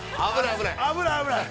◆危ない危ない。